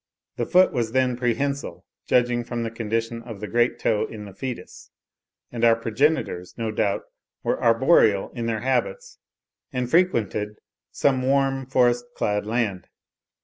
The foot was then prehensile, judging from the condition of the great toe in the foetus; and our progenitors, no doubt, were arboreal in their habits, and frequented some warm, forest clad land.